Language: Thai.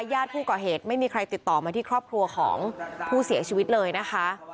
ญาติผู้ก่อเหตุไม่มีใครติดต่อมาที่ครอบครัวของผู้เสียชีวิตเลยนะคะ